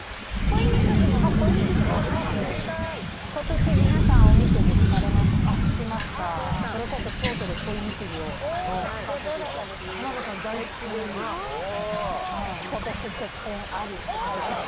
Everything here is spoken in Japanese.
「“今年結婚あり”って書いてあって」